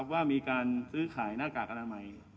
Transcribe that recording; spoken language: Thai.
ว่ามีการซื้อขายหน้ากากอนามัย